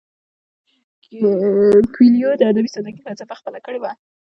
کویلیو د ادبي ساده ګۍ فلسفه خپله کړې ده.